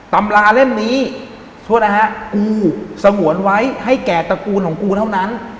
ตำราเล่มนี้โทษนะฮะกูสงวนไว้ให้แก่ตระกูลของกูเท่านั้น